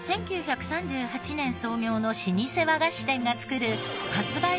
１９３８年創業の老舗和菓子店が作る発売